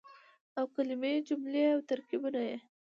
او کلمې ،جملې او ترکيبونه يې